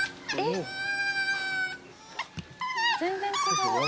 全然違う。